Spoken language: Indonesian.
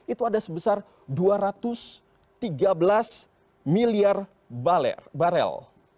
itu ada sebesar dua ratus tiga belas miliar barel